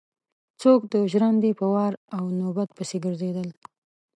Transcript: څوک د ژرندې په وار او نوبت پسې ګرځېدل.